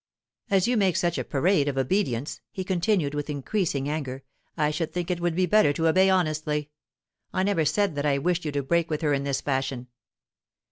"As you make such a parade of obedience," he continued, with increasing anger, "I should think it would be better to obey honestly. I never said that I wished you to break with her in this fashion."